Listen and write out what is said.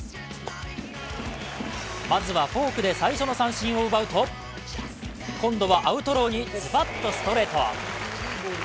まずはフォークで最初の三振を奪うと今度はアウトローにズバッとストレート。